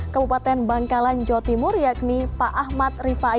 kabupaten bangkalan jawa timur yakni pak ahmad rifai